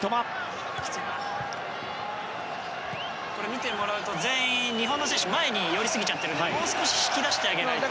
見てもらうと全員、日本の選手前に寄りすぎちゃってるのでもう少し引き出してあげないと。